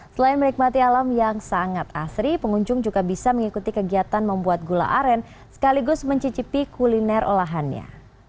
selain menikmati alam yang sangat asri pengunjung juga bisa mengikuti kegiatan membuat gula aren sekaligus mencicipi kuliner olahannya